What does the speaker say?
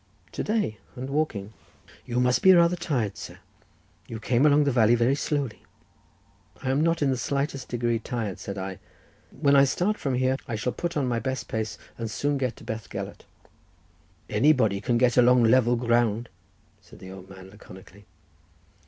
"To day, and walking." "You must be rather tired, sir; you came along the valley very slowly." "I am not in the slightest degree tired," said I; "when I start from here, I shall put on my best pace, and soon get to Bethgelert." "Anybody can get along over level ground," said the old man, laconically.